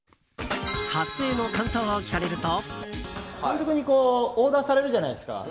撮影の感想を聞かれると。